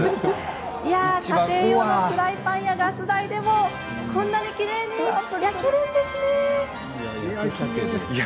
いやあ家庭用のフライパンやガス台でもこんなにきれいに焼けるんですね。